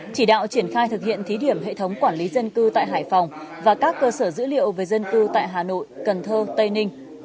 chỉ đạo triển khai thực hiện thí điểm hệ thống quản lý dân cư tại hải phòng và các cơ sở dữ liệu về dân cư tại hà nội cần thơ tây ninh